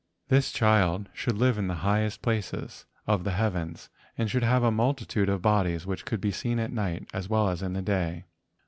This child should live in the highest places of the heavens and should have a multitude of bodies which could be seen at night as well as in the day.